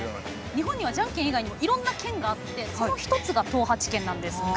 日本にはじゃんけん以外にいろんな拳があってその１つが東八拳ですが。